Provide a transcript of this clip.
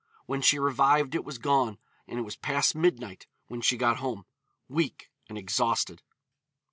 When she revived it was gone; and it was past midnight when she got home, weak and exhausted.